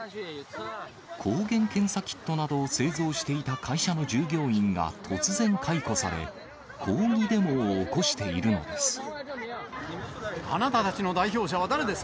抗原検査キットなどを製造していた会社の従業員が突然解雇され、あなたたちの代表者は誰です